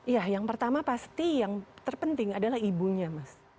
ya yang pertama pasti yang terpenting adalah ibunya mas